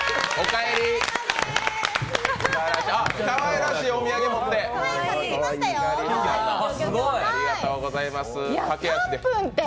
かわいらしいお土産持って。